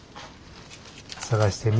探してみ。